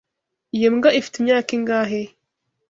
Iyo mbwa ifite imyaka ingahe?